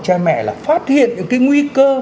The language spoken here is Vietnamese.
trai mẹ là phát hiện những cái nguy cơ